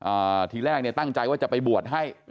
ทีแรกเนี่ยตั้งใจว่าจะไปบวชให้